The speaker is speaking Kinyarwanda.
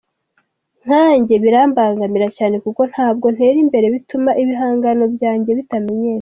Nkanjye birambangamira cyane kuko ntabwo ntera imbere bituma ibihanganano byanjye bitamenyekana.